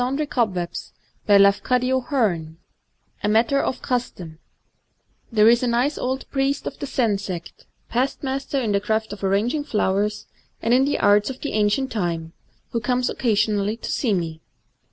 ^l Digitized by Google A Matter of Custom THERE is a nice old priest of the Zen sect, — past master in the craft of arranging flowers, and in other arts of the ancient time, — who comes occasionally to see me.